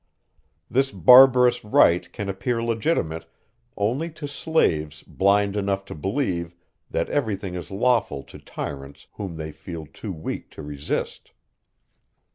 This barbarous right can appear legitimate only to slaves blind enough to believe that everything is lawful to tyrants whom they feel too weak to resist.